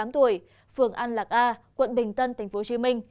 một mươi tám tuổi phường an lạc a quận bình tân tp hcm